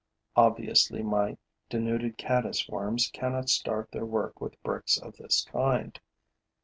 Obviously, my denuded caddis worms cannot start their work with bricks of this kind.